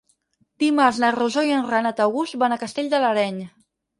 Dimarts na Rosó i en Renat August van a Castell de l'Areny.